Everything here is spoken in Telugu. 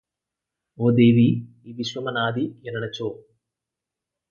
ఓ దేవీ ! ఈ విశ్వమనాది యనినచో